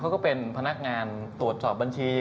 ก็เป็นพนักงานตรวจสอบบัญชี